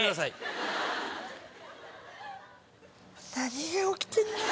何が起きてんだ。